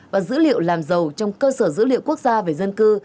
và dữ liệu làm giàu trong cơ sở dữ liệu quốc gia về dân cư